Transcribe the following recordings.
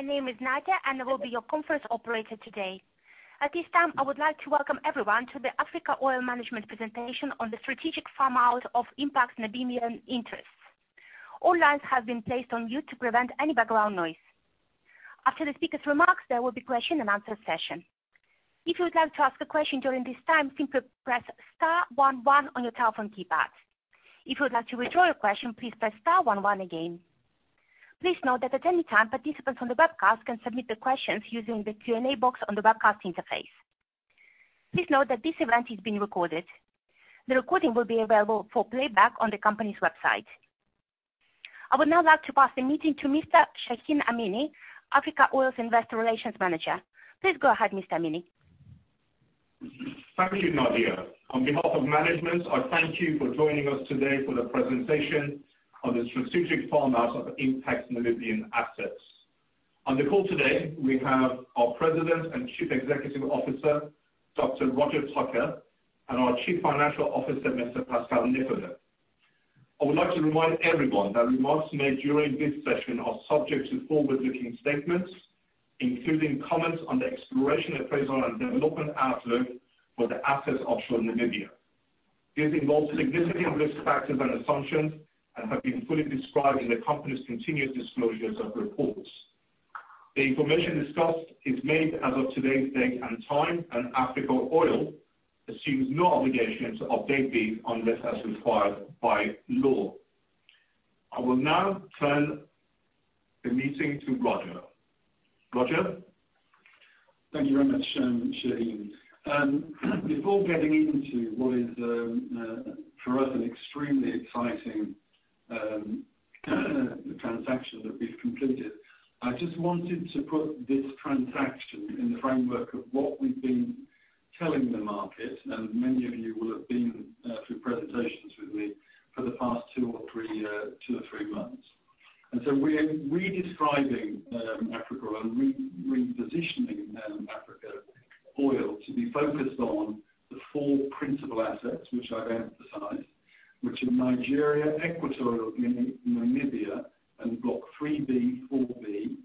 My name is Nadia, and I will be your conference operator today. At this time, I would like to welcome everyone to the Africa Oil Management Presentation on the Strategic Farm-Out of Impact's Namibian Interests. All lines have been placed on mute to prevent any background noise. After the speaker's remarks, there will be question and answer session. If you would like to ask a question during this time, simply press star one one on your telephone keypad. If you would like to withdraw your question, please press star one one again. Please note that at any time, participants on the webcast can submit their questions using the Q&A box on the webcast interface. Please note that this event is being recorded. The recording will be available for playback on the company's website. I would now like to pass the meeting to Mr. Shahin Amini, Africa Oil's Investor Relations Manager. Please go ahead, Mr. Amini. Thank you, Nadia. On behalf of management, I thank you for joining us today for the presentation on the strategic farm-out of Impact Namibian assets. On the call today, we have our President and Chief Executive Officer, Dr. Roger Tucker, and our Chief Financial Officer, Mr. Pascal Nicodème. I would like to remind everyone that remarks made during this session are subject to forward-looking statements, including comments on the exploration, appraisal, and development outlook for the assets offshore Namibia. These involve significant risk factors and assumptions and have been fully described in the company's continuous disclosures of reports. The information discussed is made as of today's date and time, and Africa Oil assumes no obligation to update these unless as required by law. I will now turn the meeting to Roger. Roger? Thank you very much, Shahin. Before getting into what is for us an extremely exciting transaction that we've completed, I just wanted to put this transaction in the framework of what we've been telling the market, and many of you will have been through presentations with me for the past two or three months. So we're redescribing Africa Oil, repositioning Africa Oil to be focused on the four principal assets, which I've emphasized, which are Nigeria, Equatorial Guinea, Namibia, and Block 3B/4B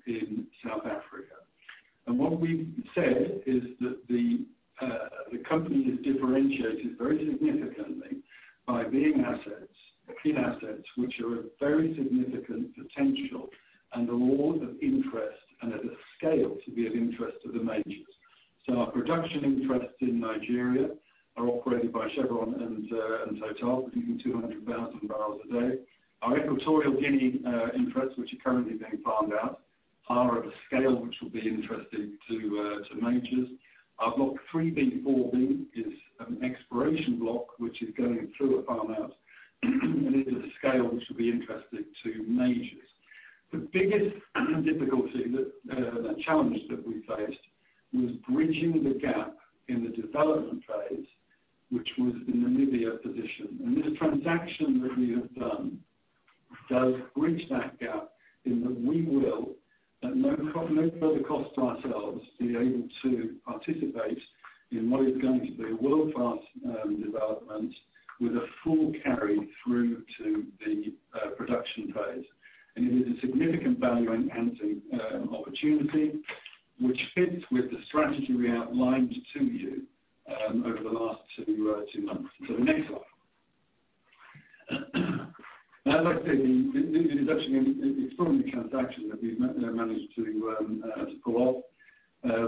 As I said, this is actually an extraordinary transaction that we've managed to pull off.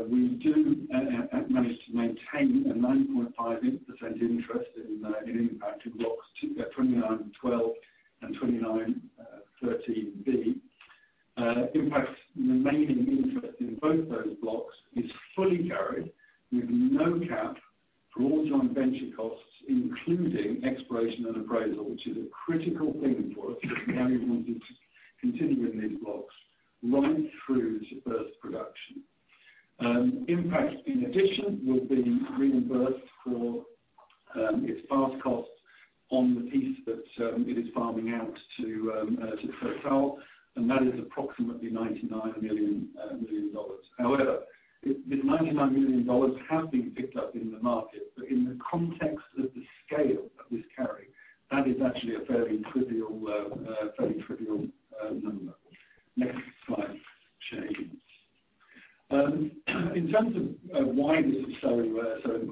We do manage to maintain a 9.5% interest in Impact in blocks 2912 and 2913B. Impact's remaining interest in both those blocks is fully carried with no cap for all joint venture costs, including exploration and appraisal, which is a critical thing for us, continuing these blocks right through to first production. Impact, in addition, will be reimbursed for its past costs on the piece that it is farming out to Total, and that is approximately $99 million. However, this $99 million have been picked up in the market, but in the context of the scale of this carry, that is actually a fairly trivial number. Next slide, Shahin. In terms of why this is so important,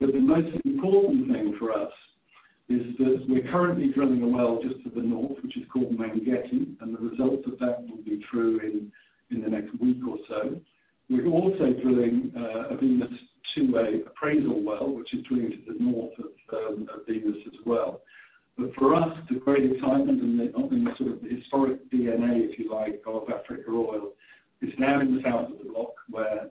But the most important thing for us is that we're currently drilling a well just to the north, which is called Mangetti, and the results of that will be through in the next week or so. We're also drilling a Venus-2A appraisal well, which is drilling to the north of Venus as well. But for us, the great excitement and the sort of historic DNA, if you like, of Africa Oil, is now in the south of the block, where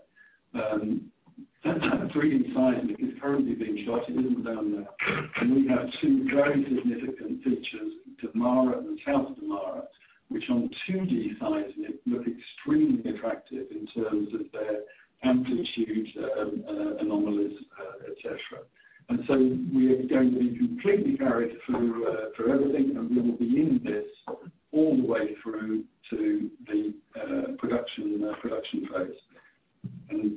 3D seismic is currently being shot. It isn't down there. And we have two very significant features, Damara and South Damara, which on 2D seismic look extremely attractive in terms of their amplitude anomalies, et cetera. We are going to be completely carried through through everything, and we will be in this all the way through to the production production phase.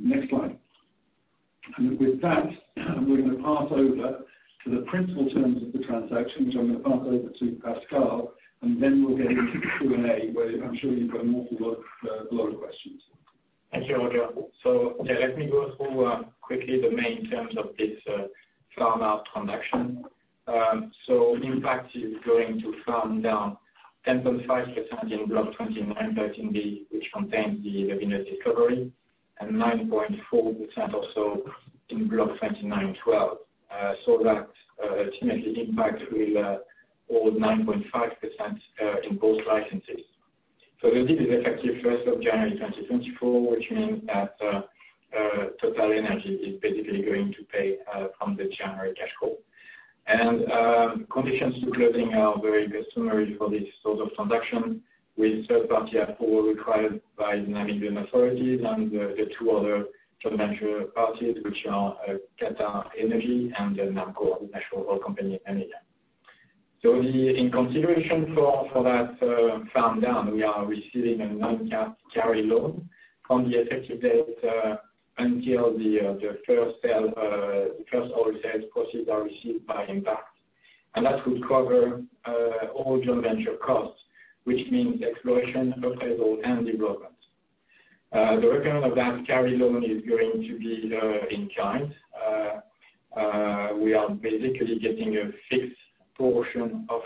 Next slide. With that, we're going to pass over to the principal terms of the transaction, which I'm going to pass over to Pascal, and then we'll get into the Q&A, where I'm sure you've got multiple load of questions. Thank you, Roger. So, yeah, let me go through quickly the main terms of this farm-out transaction. So Impact is going to farm down 10.5% in Block 2913B, which contains the Venus discovery, and 9.4% also in Block 2912. So that ultimately Impact will hold 9.5% in both licenses. So the deal is effective 1st of January 2024, which means that TotalEnergies is basically going to pay from the January cash call. And conditions to closing are very customary for this sort of transaction, with third party approval required by Namibian authorities and the two other joint venture parties, which are QatarEnergy and the NAMCOR, National Oil Company of Namibia. So, in consideration for that farm-down, we are receiving a non-cash carry loan from the effective date until the first oil sales proceeds are received by Impact. And that would cover all joint venture costs, which means exploration, appraisal, and development. The repayment of that carry loan is going to be in kind. We are basically getting a fixed portion of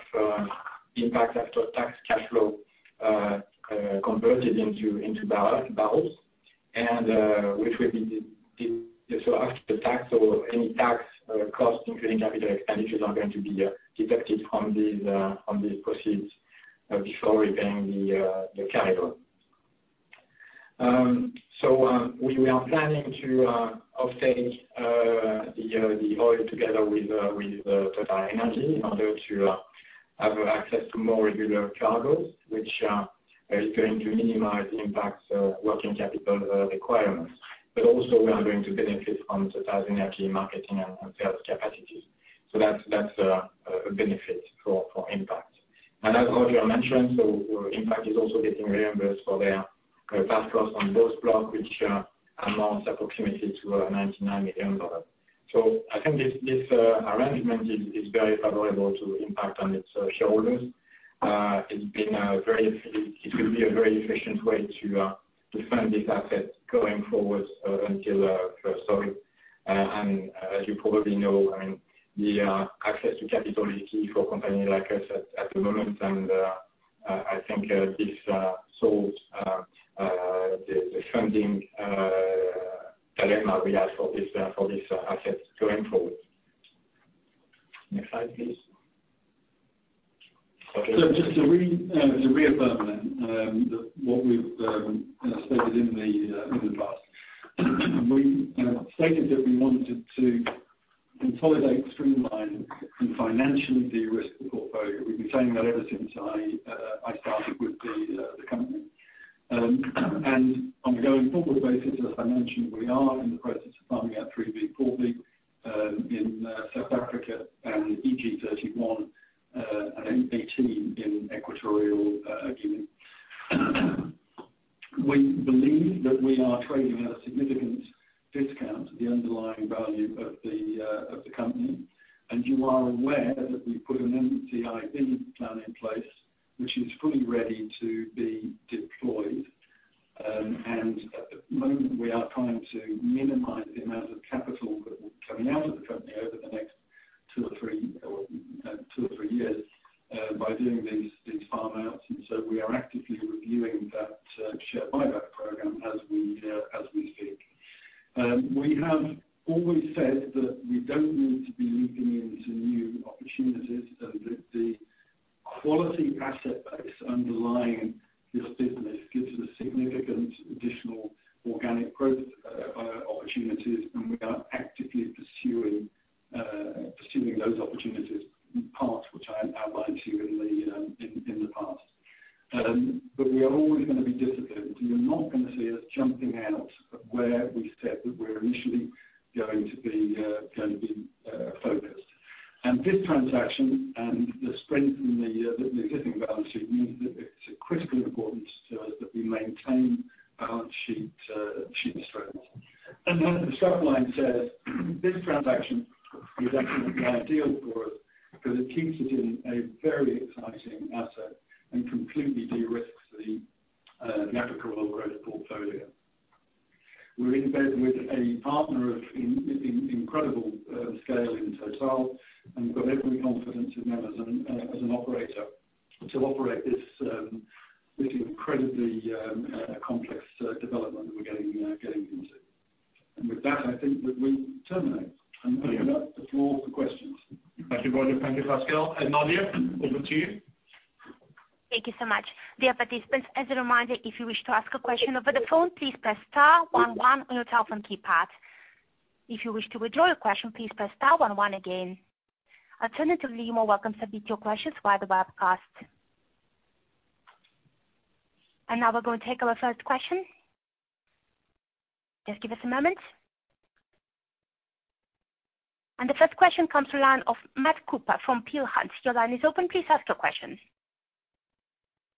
Impact after-tax cash flow converted into barrels, and which will be so after the tax or any tax costs, including capital expenditures, are going to be deducted from these proceeds before repaying the carry loan. So, we are planning to offtake the oil together with TotalEnergies in order to have access to more regular cargos, which is going to minimize Impact's working capital requirements. But also, we are going to benefit from TotalEnergies marketing and sales capacities. So that's a benefit for Impact. And as Roger mentioned, Impact is also getting reimbursed for their past costs on those blocks, which amounts approximately to $99 million. So I think this arrangement is very favorable to Impact and its shareholders. It's been a very—it will be a very efficient way to fund this asset going forward until first oil. And as you probably know, I mean, the access to capital is key for companies like us at the moment, and I think this solves the funding dilemma we have for this asset going forward. Next slide, please. So just to reaffirm then, that what we've stated in the past. We stated that we wanted to consolidate, streamline, and financially de-risk the portfolio. We've been saying that ever since I started with the company. And on an ongoing forward basis, as I mentioned, we are in the process of farming out 3B-4B in South Africa and EG-31 and EG-18 in Equatorial Guinea. We believe that we are trading at a significant discount to the underlying value of the company, and you are aware that we put an NCIB plan in place, which is fully ready to be deployed. And at the moment, we are trying to minimize the amount of capital that will be coming out of the company over the next two or three years by doing these farm-outs. And so we are actively reviewing that share buyback program as we speak. We have always said that we don't need to be leaping into new opportunities, and that the quality asset base underlying this business gives us significant additional organic growth opportunities, and The first question comes from the line of Matt Cooper from Peel Hunt. Your line is open. Please ask your question.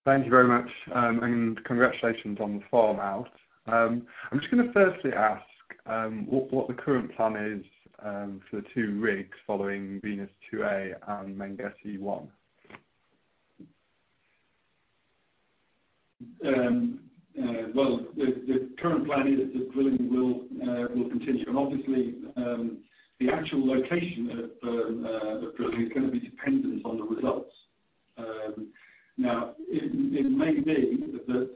Thank you very much, and congratulations on the farm-out. I'm just going to firstly ask, what the current plan is for the two rigs following Venus-2A and Mangetti-1X? Well, the current plan is that drilling will continue. And obviously, the actual location of the drilling is going to be dependent on the results. Now, it may be that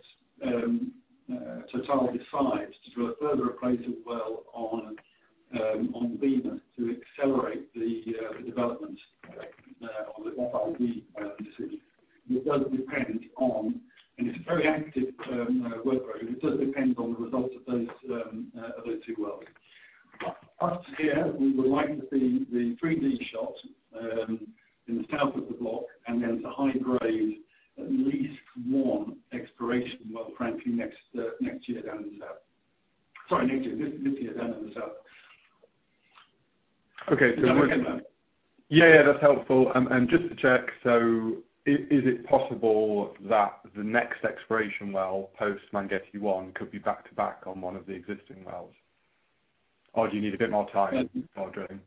Total decides to drill a further appraisal well on Venus to accelerate the development—well, that will be decision. It does depend on, and it's a very active work rate. It does depend on the results of those two wells. But us here, we would like to see the 3D shot in the south of the block, and then to high-grade at least one exploration well, frankly, next year down the south. Sorry, next year, this year, down in the south. Okay. Does that answer your question? Yeah, yeah, that's helpful. And just to check, so is it possible that the next exploration well, post Mangetti one, could be back-to-back on one of the existing wells? Or do you need a bit more time for drilling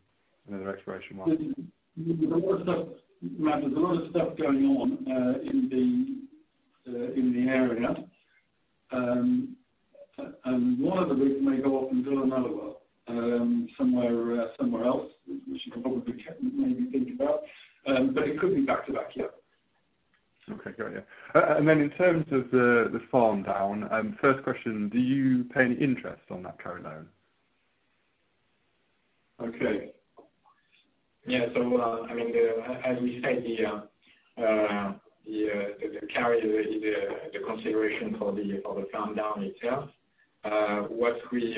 another exploration well? There's a lot of stuff, Matt, there's a lot of stuff going on in the area. And one of the rigs may go off and drill another well somewhere else, which you can probably maybe think about, but it could be back-to-back, yeah. Okay, great. Yeah. And then in terms of the farm-down, first question, do you pay any interest on that current loan? Okay. Yeah, so, I mean, as you said, the carry, the consideration for the farm-down itself, what we,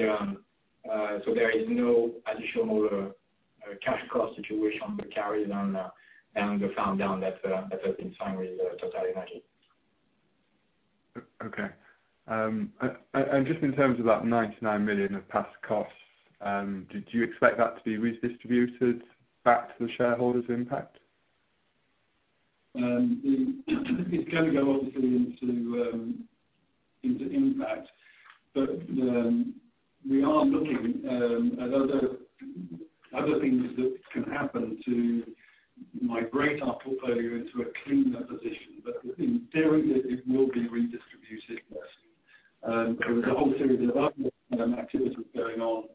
so there is no additional cash cost situation, the carry down, down the farm-down that has been signed with TotalEnergies. Okay. And just in terms of that $99 million of past costs, did you expect that to be redistributed back to the shareholders in Impact? It's going to go obviously into Impact. But we are looking at other things that can happen to migrate our portfolio into a cleaner position. But in theory, it will be redistributed. There is a whole series of other activities going on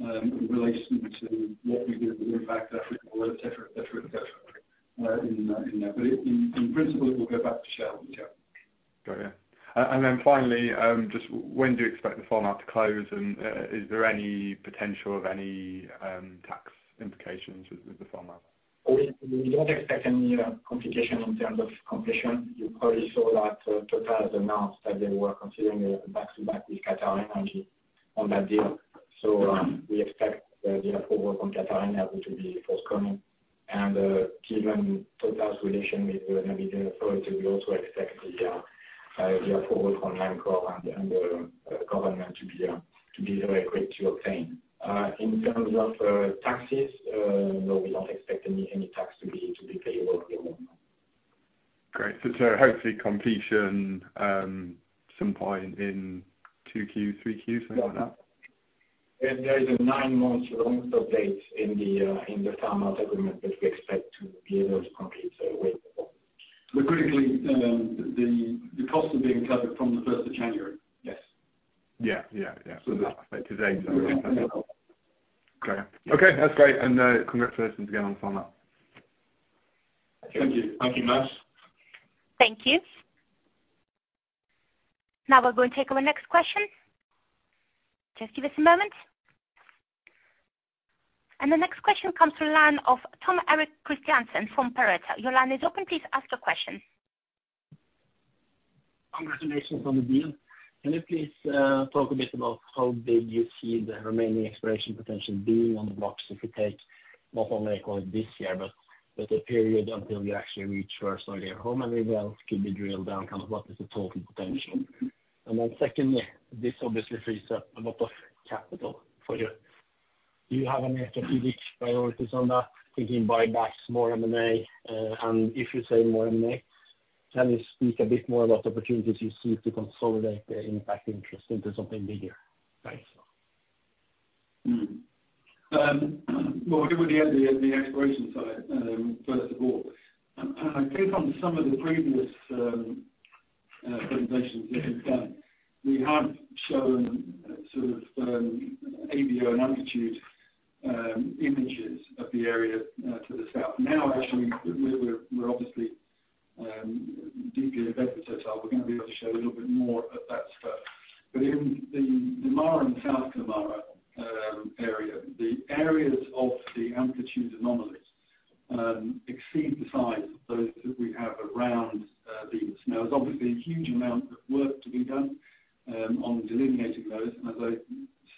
in relation to what we do with Impact Africa, et cetera, et cetera, et cetera, in that. But in principle, it will go back to Shell, yeah. Got it. And then finally, just when do you expect the farm-out to close, and is there any potential of any tax implications with the farm-out? We don't expect any complication in terms of completion. You probably saw that, Total has announced that they were considering a back-to-back with QatarEnergy on that deal. So, we expect the approval from QatarEnergy to be forthcoming. And, given Total's relation with the Namibian authority, we also expect the approval from NAMCOR and the government to be very quick to obtain. In terms of taxes, no, we don't expect any tax to be payable at the moment. Great. So, hopefully completion, some point in 2Q, 3Q, something like that? Yeah. There is a nine-month long update in the farm-out agreement that we expect to be able to complete with. Critically, the costs are being covered from the first of January. Yes. Yeah. Yeah, yeah. So that's like today. Great. Okay, that's great. And, congratulations again on the farm-out. Thank you. Thank you, Matt. Thank you. Now we're going to take our next question. Just give us a moment. The next question comes from the line of Tom Erik Kristiansen from Pareto. Your line is open. Please ask your question. Congratulations on the deal. Can you please talk a bit about how big you see the remaining exploration potential being on the blocks if you take what I may call it this year, but the period until you actually reach first oil. How many wells could be drilled down? Kind of what is the total potential? And then secondly, this obviously frees up a lot of capital for you. Do you have any strategic priorities on that? Thinking buybacks, more M&A, and if you say more M&A, can you speak a bit more about the opportunities you see to consolidate the Impact interest into something bigger? Thanks. Well, we were at the exploration side, first of all. I think on some of the previous presentations that we've done, we have shown sort of AVO amplitude images of the area to the south. Now, actually, we're obviously deeply invested, so we're going to be able to show a little bit more of that stuff. But in the Damara and South Damara area, the areas of the amplitude anomalies exceed the size of those that we have around Venus. Now, there's obviously a huge amount of work to be done on delineating those. And as I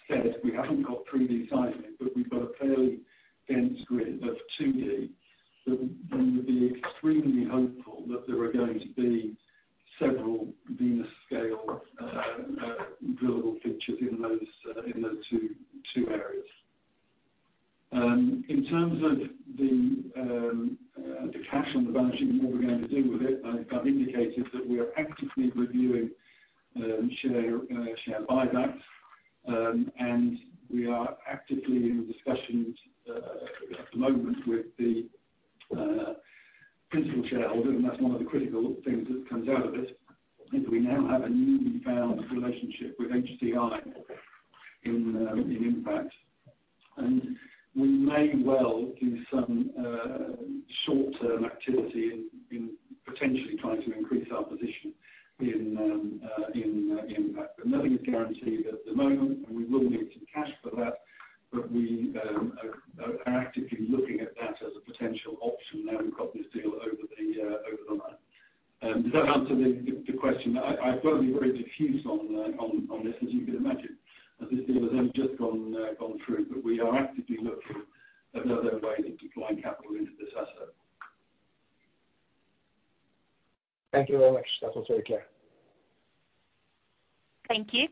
said, we haven't got 3D sizing, but we've got a fairly dense grid of 2D that we would be extremely hopeful that there are going to be several Venus-scale drillable features in those two areas. In terms of the cash on the balance sheet and what we're going to do with it, I've indicated that we are actively reviewing share buybacks. And we are actively in discussions at the moment with the principal shareholder, and that's one of the critical things that comes out of this, is we now have a newly found relationship with HCI in Impact. And we may well do some short-term activity in potentially trying to increase our position in Impact. But nothing is guaranteed at the moment, and we will need some cash for that, but we are actively looking at that as a potential option now that we've got this deal over the line. Does that answer the question? I've got to be very diffuse on this, as you can imagine, as this deal has only just gone through. But we are actively looking at another way of deploying capital into this asset. Thank you very much. That was very clear. Thank you.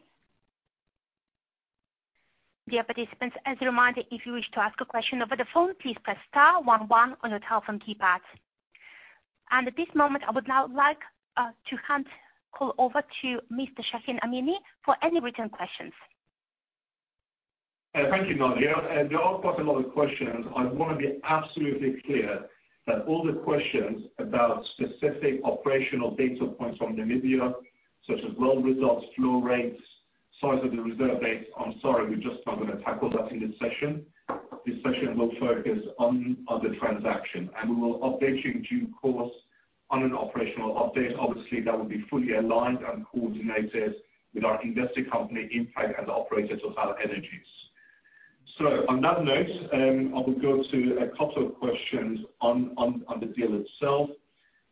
Dear participants, as a reminder, if you wish to ask a question over the phone, please press star one one on your telephone keypad. At this moment, I would now like to hand the call over to Mr. Shahin Amini for any written questions. Thank you, Nadia. There are quite a lot of questions. I want to be absolutely clear that all the questions about specific operational data points from Namibia, such as well results, flow rates, size of the reserve base. I'm sorry, we're just not going to tackle that in this session. This session will focus on the transaction, and we will update you in due course on an operational update. Obviously, that will be fully aligned and coordinated with our investing company, Impact, and the operators of our energies. So on that note, I will go to a couple of questions on the deal itself.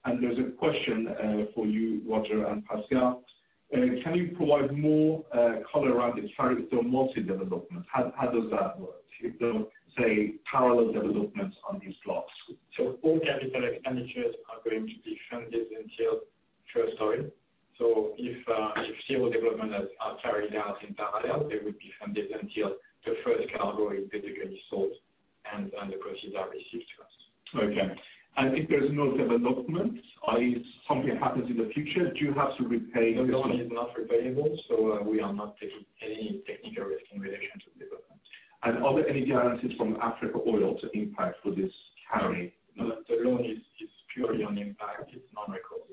And there's a question for you, Roger and Pascal. Can you provide more color around the carry or multi development? How does that work if, say, parallel developments on these blocks? All capital expenditures are going to be funded until first oil. So if several developments are carried out in parallel, they would be funded until the first cargo is physically sold and the proceeds are received to us. Okay. And if there's no development, or if something happens in the future, do you have to repay? The loan is not repayable, so, we are not taking any technical risk in relation to development. Are there any guarantees from Africa Oil to Impact for this carry? No, the loan is purely on Impact. It's non-recourse.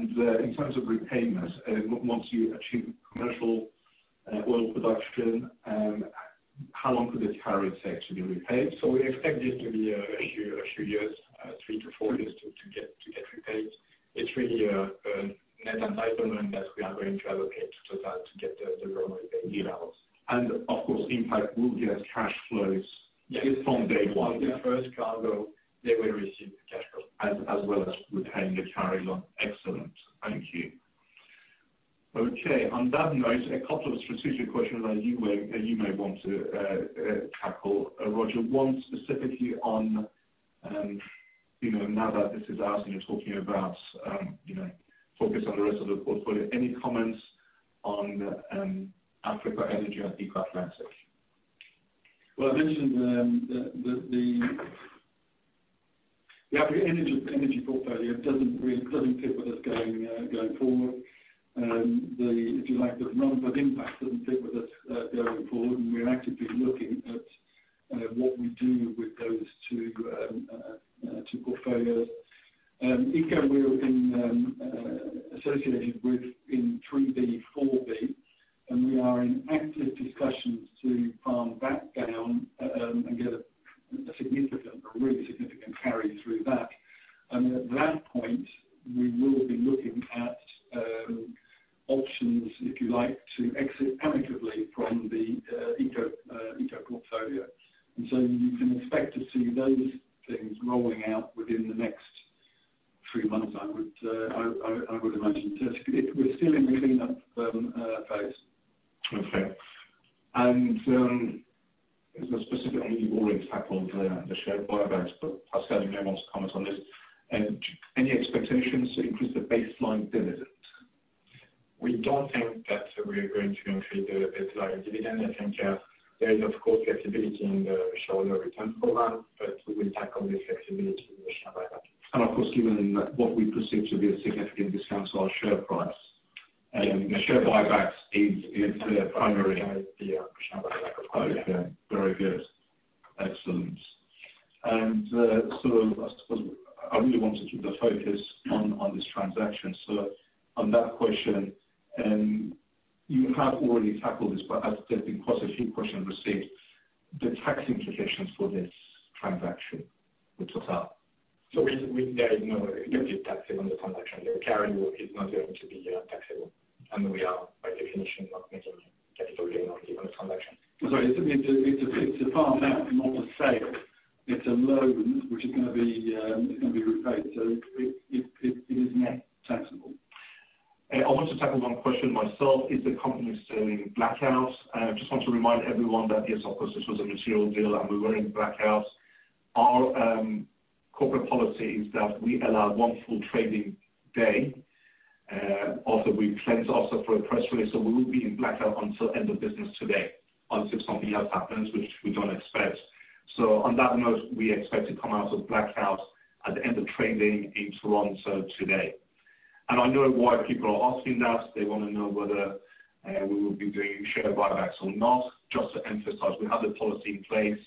In terms of repayments, once you achieve happens, which we don't expect. So on that note, we expect to come out of blackout at the end of trading in Toronto today. And I know why people are asking that. They want to know whether we will be doing share buybacks or not. Just to emphasize, we have the policy in place,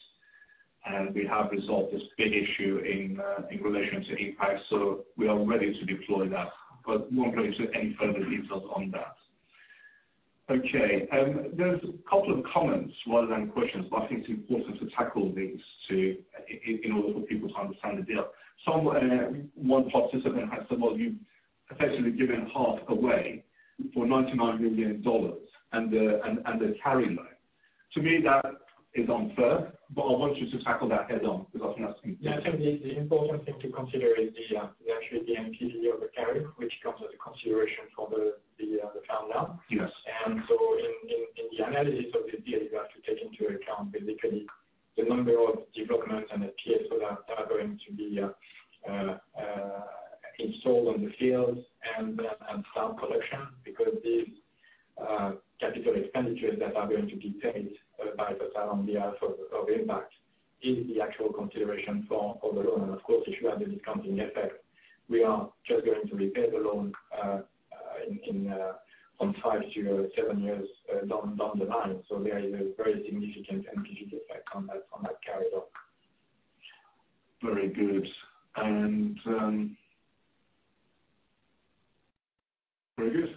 and we have resolved this big issue in relation to Impact, so we are ready to deploy that, but we won't go into any further details on that. Okay, there's a couple of comments rather than questions, but I think it's important to tackle these, in order for people to understand the deal. One participant has said, well, you've effectively given half away for $99 million and a carry loan. To me, that is unfair, but I want you to tackle that head-on, because I'm asking- Yeah, I think the important thing to consider is actually the NPV of the carry, which comes with a consideration for the farm-out. Yes. In the analysis of the deal, you have to take into account basically the number of developments and the FPSO that are going to be installed on the fields and farm collection. Because the capital expenditures that are going to be paid by Total on behalf of Impact is the actual consideration for the loan. And of course, if you add the discounting effect, we are just going to repay the loan in five to seven years down the line. So there is a very significant NPV effect on that carry loan. Very good. And very good.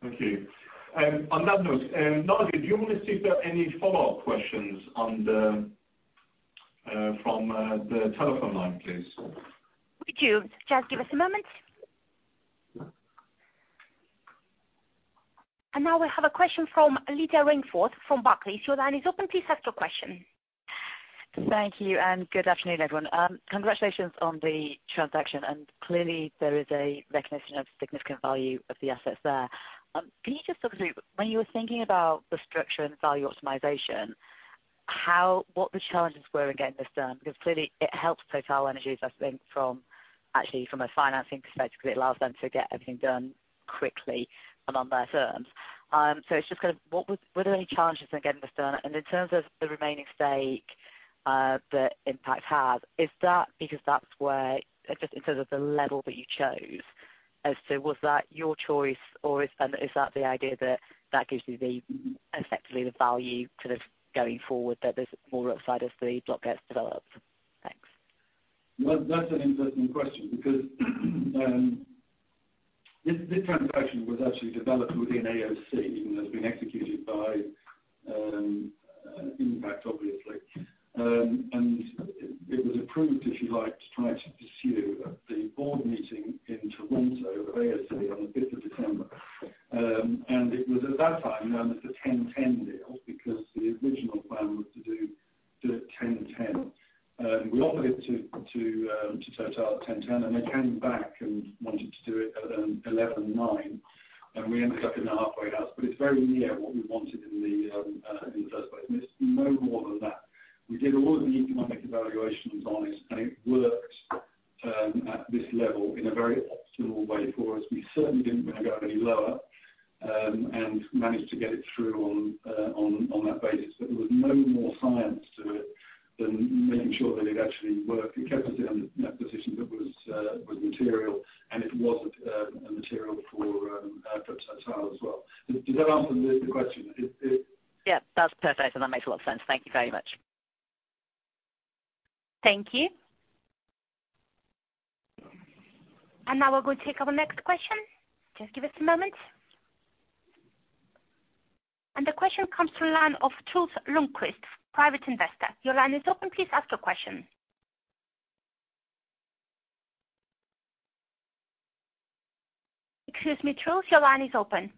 Thank you. On that note, Nadia, do you want to see if there are any follow-up questions from the telephone line, please? Would you just give us a moment? Now we have a question from Lydia Rainforth, from Barclays. Your line is open. Please ask your question. Thank you, and good afternoon, everyone. Congratulations on the transaction, and clearly there is a recognition of significant value of the assets there. Can you just talk through, when you were thinking about the structure and value optimization, what the challenges were in getting this done? Because clearly it helps TotalEnergies, I think, from actually from a financing perspective, because it allows them to get everything done quickly and on their terms. So it's just kind of, were there any challenges in getting this done? In terms of the remaining stake that Impact has, is that because that's where, just in terms of the level that you chose, as to was that your choice, or is that the idea that that gives you the, effectively, the value kind of going forward, that there's more upside as the block gets developed? Thanks. Well, that's an interesting question because, this, this transaction was actually developed within AOC, and it's been executed by, Impact, obviously. And it, it was approved, if you like, to try to pursue at the board meeting in Toronto, AOC, on the fifth of December. And it was at that time known as the 10-10 deal, because the original plan was to do, do it 10-10. We offered it to, to, to Total 10-10, and they came back and wanted to do it at, 11-9, and we ended up in the halfway house. But it's very near what we wanted in the, in the first place, and it's no more than, we did all of the economic evaluations on it, and it worked, at this level in a very optimal way for us. We certainly didn't want to go any lower, and managed to get it through on that basis. But there was no more science to it than making sure that it actually worked. It kept us in a position that was material, and it wasn't material for Total as well. Does that answer the question? It Yeah, that's perfect, and that makes a lot of sense. Thank you very much. Thank you. Now we're going to take our next question. Just give us a moment. The question comes from line of Truels Lundquist, private investor. Your line is open. Please ask your question. Excuse me, Truels, your line is open.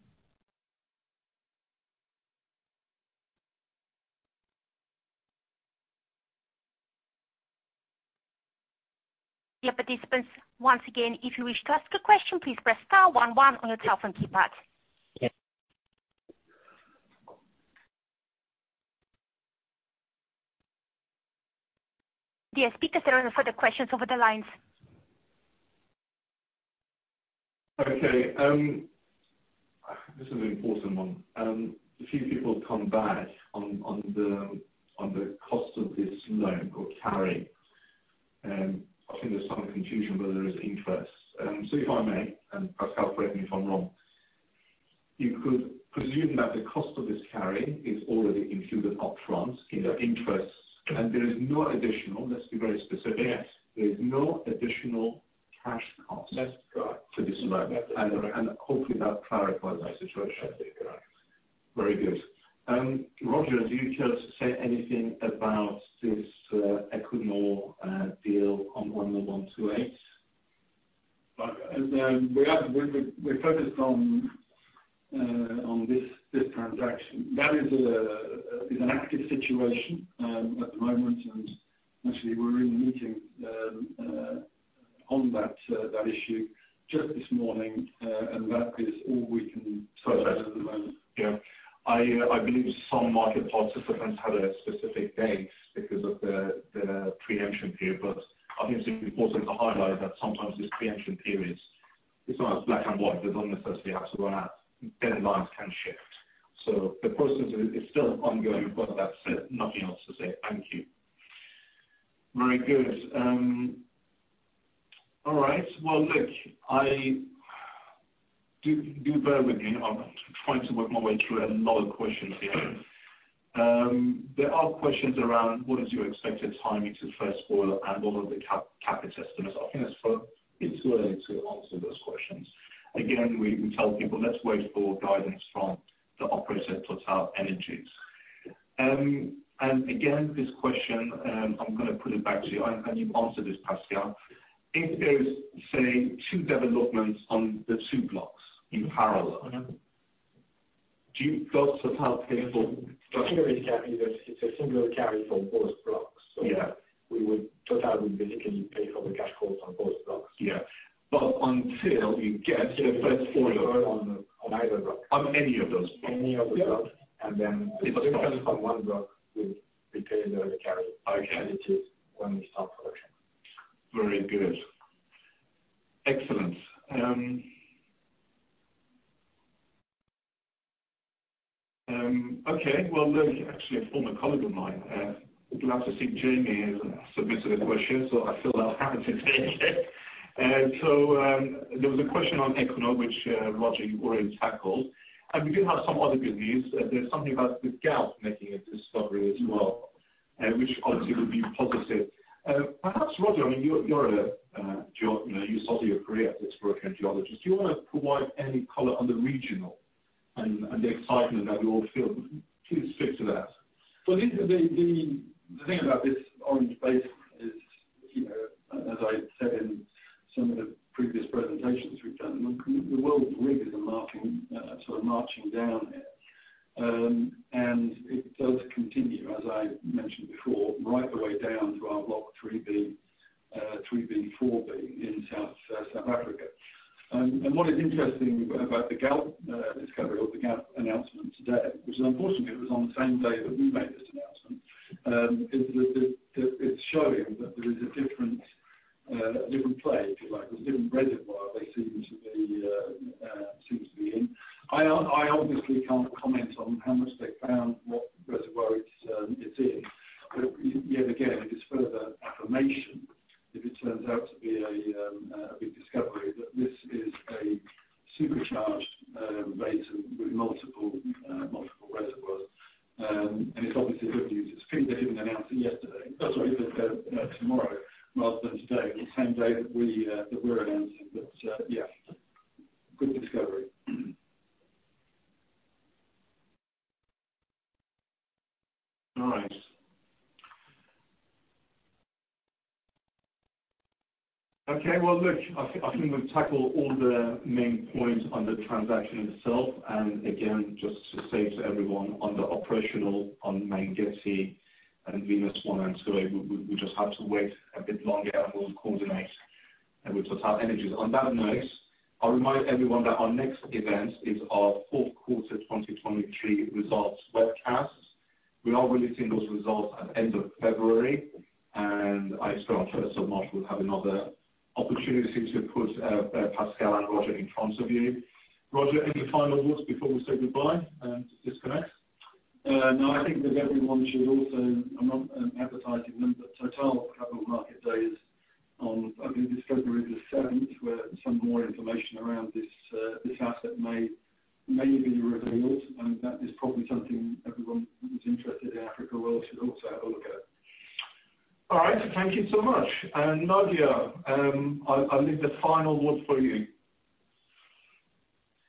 Dear participants, once again, if you wish to ask a question, please press star one one on your telephone keypad. Dear speakers, there are no further questions over the lines. Okay, this is an important one. A few people have come back on the cost of this loan or carry. I think there's some confusion whether there is interest. So if I may, and Pascal, correct me if I'm wrong. You could presume that the cost of this carry is already included upfront in the interest, and there is no additional. Let's be very specific. Yes. There's no additional cash cost- That's correct. To this loan. That's correct. Hopefully that clarifies the situation. I think you're right. Very good. Roger, do you care to say anything about this, Equinor, deal on OML 128? We're focused on this transaction. That is an active situation at the moment, and actually we're in a meeting on that issue just this morning, and that is all we can say at the moment. Yeah. I believe some market participants had a specific date because of the preemption period, but obviously, we've also highlighted that sometimes these preemption periods, it's not as black and white. They don't necessarily have to run out, deadlines can shift. So the process is still ongoing. But that said, nothing else to say. Thank you. Very good. All right. Well, look, I do bear with me. I'm trying to work my way through a lot of questions here. There are questions around what is your expected timing to the first oil and all of the capping systems. I think it's too early to answer those questions. Again, we tell people, "Let's wait for guidance from the operator, TotalEnergies." And again, this question, I'm going to put it back to you, and you've answered this, Pascal. If there's, say, 2 developments on the 2 blocks in parallel- Uh-huh. Do you guys have pay for-? It's a similar carry for both blocks. Yeah. We would totally basically pay for the cash flows on both blocks. Yeah, but until you get the first oil- On either block. On any of those? Any of the blocks. Yeah. And then- It's off. On one block, we pay the carry. Okay. When we start production. Very good. Excellent. Okay, well, look, actually a former colleague of mine, glad to see Jamie has submitted a question, so I feel that happened today. So, there was a question on Equinor, which, Roger, you already tackled, and we do have some other good news. There's something about the Galp making a discovery as well, which obviously would be positive. Perhaps, Roger, I mean, you're a geo, you know, you started your career as an exploration geologist. Do you want to provide any color on the regional and the excitement that we all feel? Please speak to that. So the thing about this Orange Basin is, you know, as I said in some of the previous presentations we've done, the world's rig is a marking, sort of marching down there. And it does continue, as I mentioned before, right the way down to our Block 3B/4B in South Africa. And what is interesting about the Galp discovery or the Galp announcement today, which unfortunately was on the same day that we made this announcement, is that it, it's showing that there is a different, a different play, like a different reservoir they seem to be, seems to be in. I obviously can't comment on how much they found, what reservoir it's, it's in. But yet again, it is further affirmation, if it turns out to be a big discovery, that this is a supercharged basin with multiple reservoirs. And it's obviously good news. It's good they didn't announce it yesterday. Sorry, tomorrow, rather than today, the same day that we're announcing. But, yeah, good discovery. All right. Okay, well, look, I think we've tackled all the main points on the transaction itself. And again, just to say to everyone on the operational, on Mangetti and Venus One and Two, we just have to wait a bit longer, and we'll coordinate with TotalEnergies. On that note, I'll remind everyone that our next event is our fourth quarter 2023 results webcast. We are releasing those results at end of February, and I expect at some point we'll have another opportunity to put Pascal and Roger in front of you. Roger, any final words before we say goodbye and disconnect? No, I think that everyone should also. I'm not advertising them, but Total have a market day on, I think, this February the seventh, where some more information around this asset may be revealed, and that is probably something everyone who's interested in Africa Oil should also have a look at. All right. Thank you so much. And Nadia, I leave the final word for you.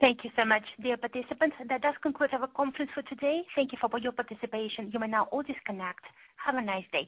Thank you so much, dear participants. That does conclude our conference for today. Thank you for all your participation. You may now all disconnect. Have a nice day.